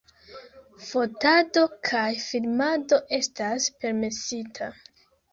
Fotado kaj filmado estas permesita.